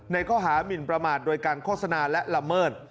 ข้อหามินประมาทโดยการโฆษณาและละเมิด